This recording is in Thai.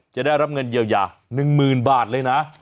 จะได้รับเงินเยียวยา๑๐๐๐บาทเลยนะ